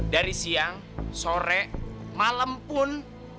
dari siang sore malam pun